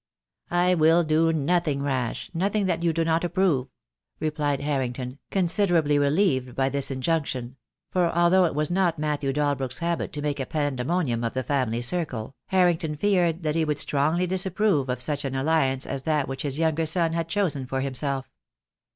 "I will do nothing rash, nothing that you do not ap prove," replied Harrington, considerably relieved by this injunction; for although it was not Matthew Dalbrook's habit to make a pandemonium of the family circle, Harrington feared that he would strongly disapprove of such an alliance as that which his younger son had chosen for himself.